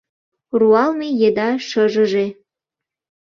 Руалме еда шыжыже!